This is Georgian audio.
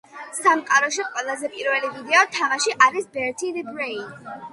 სამყაროში ყველაზე პირველი ვიდეო თამაში არის "Bertie the Brain"